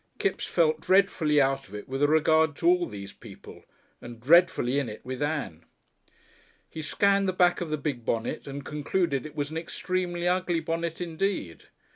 Kipps felt dreadfully out of it with regard to all these people, and dreadfully in it with Ann. He scanned the back of the big bonnet and concluded it was an extremely ugly bonnet indeed.